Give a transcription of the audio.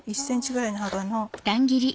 １ｃｍぐらいの幅の。